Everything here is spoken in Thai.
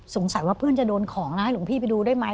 ว่าเพื่อนจะโดนของนะให้หลวงพี่ไปดูได้ไหม